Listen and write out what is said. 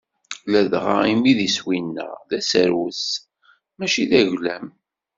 Ladɣa imi iswi-nneɣ d aserwes mačči d aglam.